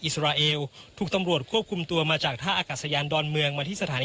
เสร็จเลยค่ะ